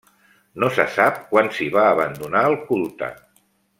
No se sap quan s'hi va abandonar el culte.